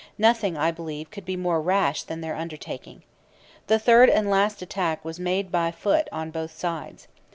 Nothing, I believe, could be more rash than their undertaking. The third and last attack was made by the foot on both sides.